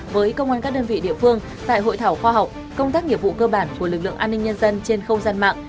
với công an các đơn vị địa phương tại hội thảo khoa học công tác nghiệp vụ cơ bản của lực lượng an ninh nhân dân trên không gian mạng